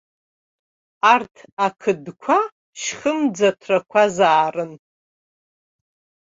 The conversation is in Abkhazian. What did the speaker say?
Арҭ ақыдқәа шьхымӡаҭрақәазаарын!